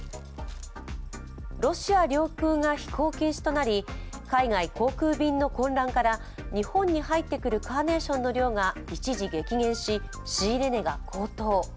ロシア領空が飛行禁止となり海外航空便の混乱から日本に入ってくるカーネーションの量が一時激減し仕入れ値が高騰。